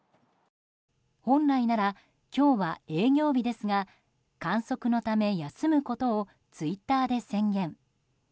本来なら今日は営業日ですが観測のため、休むことをツイッターで宣言。